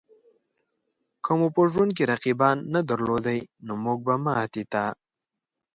که مو په ژوند کې رقیبان نه درلودای؛ نو مونږ به ماتې ته